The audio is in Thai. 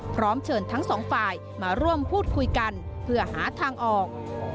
พร้อมเชิญทั้งสองฝ่ายมาร่วมพูดคุยกันเพื่อหาทางออก